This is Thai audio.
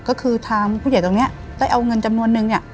ก็คือทางผู้เกี่ยวตรงนี้ได้เอาเงินจำนวนนึง